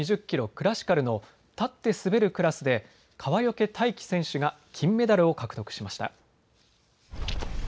２０キロクラシカルの立って滑るクラスで川除大輝選手が金メダルを獲得しました。